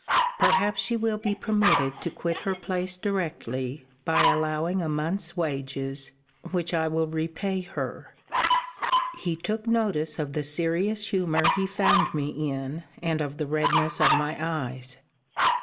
Perhaps she will be permitted to quit her place directly, by allowing a month's wages, which I will repay her. He took notice of the serious humour he found me in, and of the redness of my eyes.